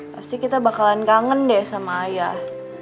pasti kita bakalan kangen deh sama ayah